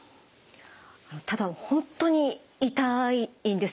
ただ本当に痛いんですよ